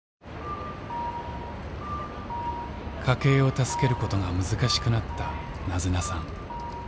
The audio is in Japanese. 家計を助けることが難しくなったなずなさん。